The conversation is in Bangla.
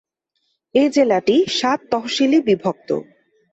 এ জেলাটি সাত তহশিল এ বিভক্ত।